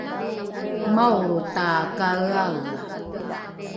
maolro takaeaea